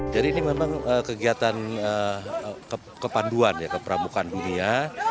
jadi ini memang kegiatan kepanduan kepramukaan dunia